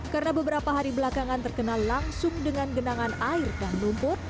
karena beberapa hari belakangan terkena langsung dengan genangan air dan lumpur